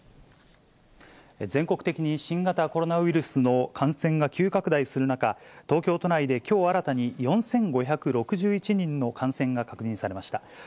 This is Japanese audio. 全国的に新型コロナウイルスの感染が急拡大する中、東京都内で、きょう新たに４５６１人の感染が確認されました。